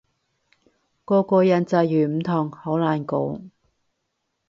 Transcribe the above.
個個人際遇唔同，好難講